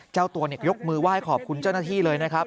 เจ้าตัวยกมือไหว้ขอบคุณเจ้าหน้าที่เลยนะครับ